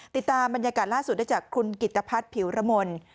ติดตามบรรยากาศล่าสุดได้จากคุณกิตภัทรผิวระมน